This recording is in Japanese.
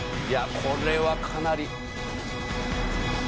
いやこれはかなり。